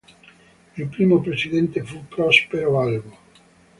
Il primo presidente fu Prospero Balbo.